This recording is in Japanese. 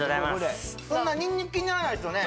そんなニンニク気にならないすよね